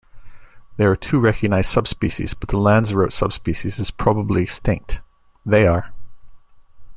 There are two recognised subspecies but the Lanzarote subspecies is probably extinct; they are.